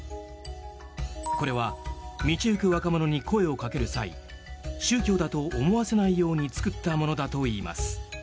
これは道行く若者に声をかける際宗教だと思わせないように作ったものだといいます。